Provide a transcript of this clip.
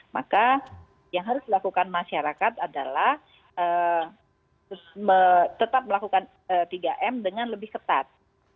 maka yang harus dilakukan masyarakat adalah tetap melakukan tiga m dengan lebih ketat